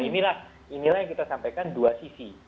inilah inilah yang kita sampaikan dua sisi